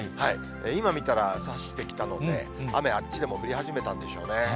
今見たら、差してきたので、雨、あっちでも降り始めたんでしょうね。